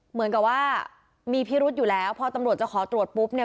เหมือนกับว่ามีพิรุธอยู่แล้วพอตำรวจจะขอตรวจปุ๊บเนี่ย